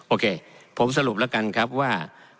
โอเคผมสรุปแล้วกันครับว่า